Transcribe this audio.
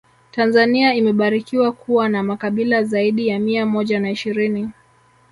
tanzania imebarikiwa kuwa na makabila zaidi ya mia moja na ishirini